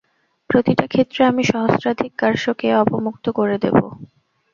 প্রতিটা ক্ষেত্রে আমি সহস্রাধিক কার্সকে অবমুক্ত করে দেব।